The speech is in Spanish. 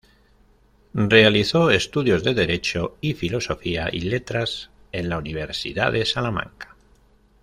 Realizó estudios de Derecho y Filosofía y Letras en la Universidad de Salamanca.